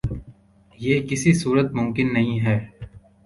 یہ کسی صورت ممکن نہیں ہے